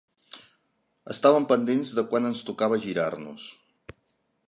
Estàvem pendents de quan ens tocava girar-nos.